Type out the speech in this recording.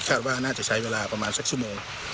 ว่าน่าจะใช้เวลาประมาณสักชั่วโมง